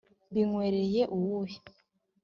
mbinywereye uwuhe?